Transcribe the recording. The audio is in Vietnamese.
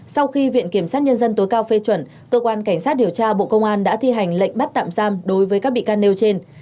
sau khi viện kiểm sát nhân dân tối cao phê chuẩn cơ quan cảnh sát điều tra bộ công an đã thi hành lệnh bắt tạm giam đối với các bị can nêu trên